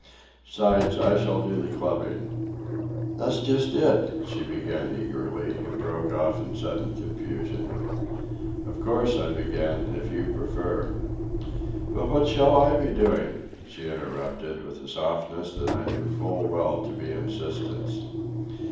Besides, I shall do the clubbing." "That's just it," she began eagerly, and broke off in sudden confusion. "Of course," I began, "if you prefer—" "But what shall I be doing?" she interrupted, with that softness I knew full well to be insistence.